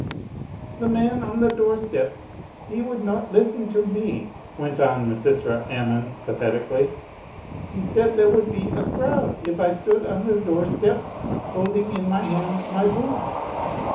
'The man on the doorstep, he wotild not listen to me,*' went on Misysra Ammon, pathetically. "He said there wotild be a crowd if I stood on the doorstep, holding in my hand my boo oots.